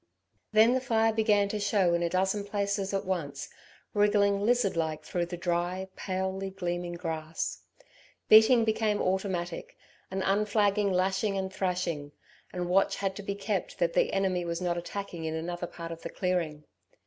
Then the fire began to show in a dozen places at once, wriggling lizard like through the dry, palely gleaming grass. Beating became automatic, an unflagging lashing and thrashing, and watch had to be kept that the enemy was not attacking in another part of the clearing.